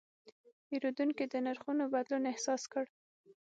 پیرودونکی د نرخونو بدلون احساس کړ.